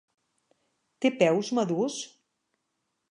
Té peus madurs?